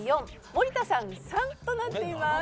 ４森田さん３となっています。